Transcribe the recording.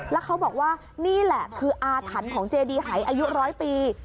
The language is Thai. แล้วเขาบอกว่านี่แหละคืออาถรรพ์ของเจดีหายอายุร้อยปี